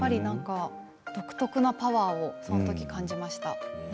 独特なパワーをそのとき感じました。